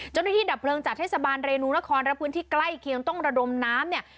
ดับเพลิงจากเทศบาลเรนูนครและพื้นที่ใกล้เคียงต้องระดมน้ำเนี่ย